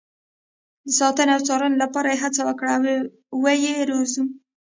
د ساتنې او څارنې لپاره یې هڅه وکړو او ویې روزو.